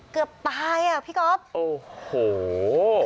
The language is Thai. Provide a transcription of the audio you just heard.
เกือบตายอ่ะพี่ก๊อฟโอ้โห